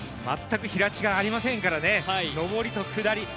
全く平地がありませんからね、上りと下り。